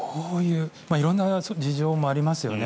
色んな事情もありますよね。